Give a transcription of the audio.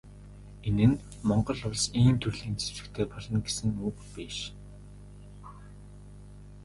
Энэ нь Монгол Улс ийм төрлийн зэвсэгтэй болно гэсэн үг биш.